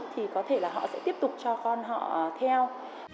thì có thể là họ sẽ tiếp tục cho con họ theo